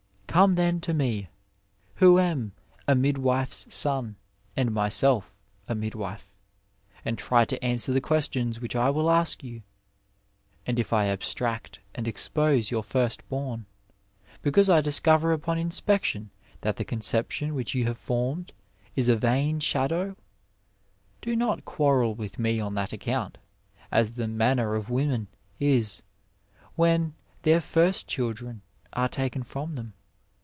Gome then to me, who am a midwife's son and myself a midwife, and try to answer the questions which I will ask you. And if I abstract and expose your first bom, because I discover upon inspection that the con option which you have formed is a vain shadow, do not quarrel with me on that aocoimt, as the manner of women is when their first children are taken from them.